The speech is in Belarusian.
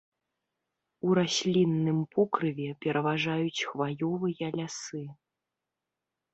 У раслінным покрыве пераважаюць хваёвыя лясы.